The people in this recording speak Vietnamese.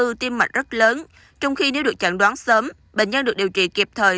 tư tiêm mạch rất lớn trong khi nếu được chẳng đoán sớm bệnh nhân được điều trị kịp thời